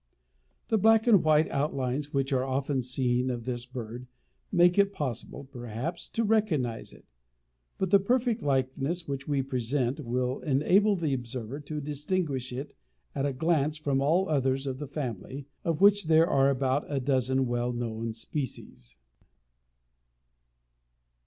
The black and white outlines which are often seen of this bird make it possible, perhaps, to recognize it, but the perfect likeness which we present will enable the observer to distinguish it at a glance from all others of the family, of which there are about a dozen well known species.